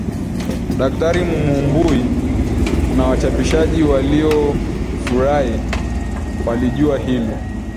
Daktari Mumbui na wachapishaji waliofurahi walijua hili